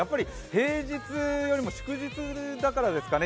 平日よりも、祝日だからですかね